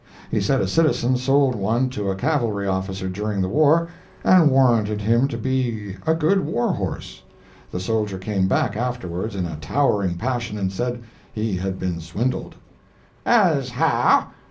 He said a citizen sold one to a cavalry officer during the war, and warranted him to be a good war horse. The soldier came back afterwards in a towering passion and said he had been swindled. "As how?"